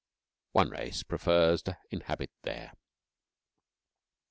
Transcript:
One race prefers to inhabit there.